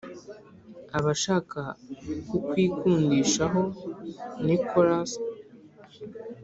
aba ashaka kukwikundishaho Nicholas